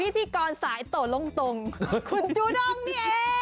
พิธีกรสายโตลงคุณจูด้งนี่เอง